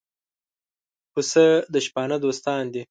پسه د شپانه دوستان دي.